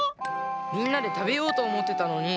みんなでたべようとおもってたのに。